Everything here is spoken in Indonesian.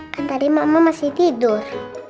kan tadi mama masih tidur